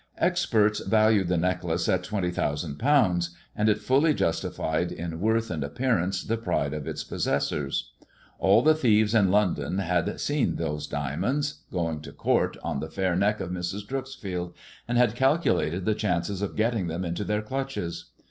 Experts valued the necklace at twenty thousand pounds, and it fully justified in worth and appearance the pride of its possessors. All the thieves in London had seen those diamonds going to Court on the fair neck of Mrs. Dreux field, and had calculated the chances of getting them into their clutches.